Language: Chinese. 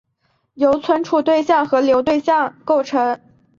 由存储对象和流对象构成。